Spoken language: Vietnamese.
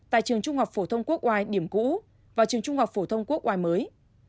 tại trường trung học phổ thông quốc oai điểm cũ và trường trung học phổ thông quốc oai mới